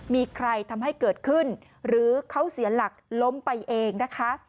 มีใครทำให้เกิดขึ้นหรือเขาเสียหลักล้มไปเองนะคะ